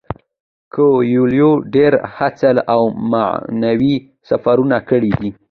کویلیو ډیرې هڅې او معنوي سفرونه کړي دي.